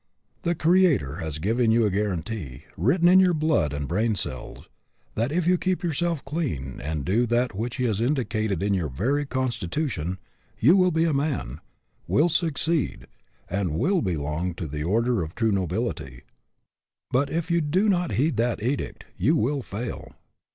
The Creator has given you a guarantee, written in your blood and brain cells, that if you keep yourself clean and do that which he has indicated in your very constitution, you will be a man, will succeed, and will belong to the order of true nobility; but if you do not heed that edict, you will fail.